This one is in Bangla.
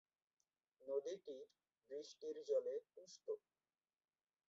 নদীটি বৃষ্টির জলে পুষ্ট।